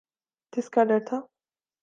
جس کا ڈر تھا۔